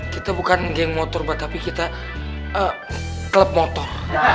kita bukan geng motor pak tapi kita klub motor